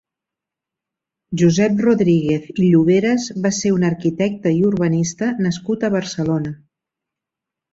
Josep Rodríguez i Lloveras va ser un arquitecte i urbanista nascut a Barcelona.